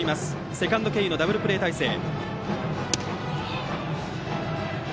セカンド経由のダブルプレー態勢。